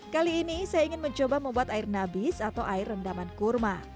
kali ini saya ingin mencoba membuat air nabis atau air rendaman kurma